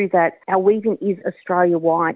bahwa pemerintahan kita adalah australia white